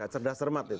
sedah sermat itu